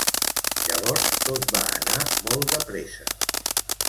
Llavors tot va anar molt de pressa.